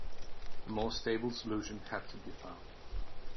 A more stable solution had to be found.